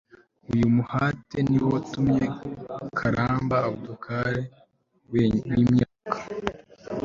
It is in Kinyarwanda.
uyu muhate niwo watumye karamba aboubakar w'imyaka